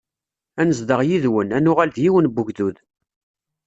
Ad nezdeɣ yid-wen, ad nuɣal d yiwen n ugdud.